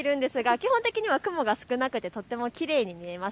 基本的には雲が少なくてとてもきれいに見えます。